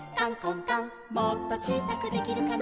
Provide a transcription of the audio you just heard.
「もっとちいさくできるかな」